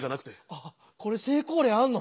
ああこれ成功例あんの？